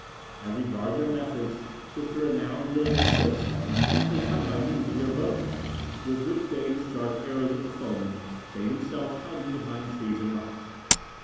"As regards their methods if the renowned Ling insists they fight by means of their bows, with which they discharge arrows at the foemen, they themselves hiding behind trees and rocks.